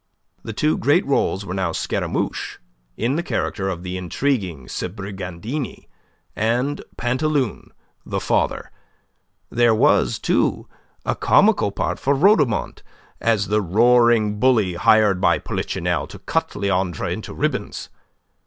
The two great roles were now Scaramouche, in the character of the intriguing Sbrigandini, and Pantaloon the father. There was, too, a comical part for Rhodomont, as the roaring bully hired by Polichinelle to cut Leandre into ribbons.